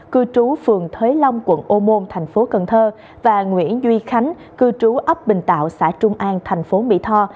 cư trú phường thuế long quận ô môn tp cần thơ và nguyễn duy khánh cư trú ấp bình tạo xã trung an tp mỹ tho